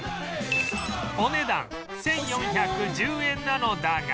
お値段１４１０円なのだが